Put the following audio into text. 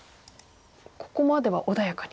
ここまでは穏やかに。